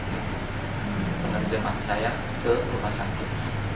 dengan jemaah saya ke rumah sakit